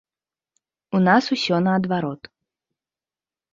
У нас усё наадварот.